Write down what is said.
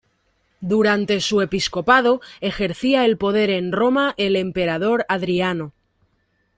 Durante su episcopado, ejercía el poder en Roma el emperador Adriano.